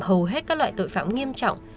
hầu hết các loại tội phạm nghiêm trọng